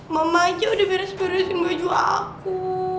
mama aja udah beres beresin baju aku